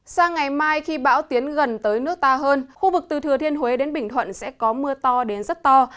sang ngày mai khi bão tiến gần tới nước ta hơn khu vực từ thừa thiên huế đến bình thuận sẽ có mưa to đến rất to